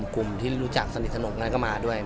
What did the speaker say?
กลุ่มที่รู้จักสนิทสนมนั้นก็มาด้วย